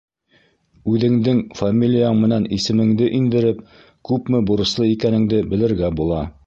Үҙеңдең фамилияң менән исемеңде индереп, күпме бурыслы икәнеңде белергә була.